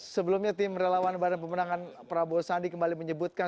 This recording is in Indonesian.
sebelumnya tim relawan badan pemenangan prabowo sandi kembali menyebutkan